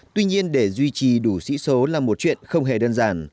tuy nhiên để duy trì đủ sĩ số là một chuyện không hề đơn giản